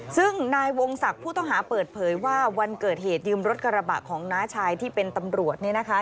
ซึ่งนายวงศักดิ์ผู้ต้องหาเปิดเผยว่าวันเกิดเหตุยืมรถกระบะของน้าชายที่เป็นตำรวจเนี่ยนะคะ